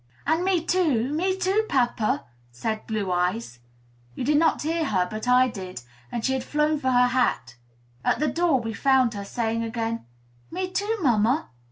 "And me too, me too, papa!" said Blue Eyes. You did not hear her; but I did, and she had flown for her hat. At the door we found her, saying again, "Me too, mamma!"